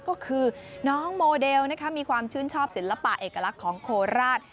ก็คือน้องโมเดลมีความชื่นชอบศิลปะเอกลักษณ์ของโคราช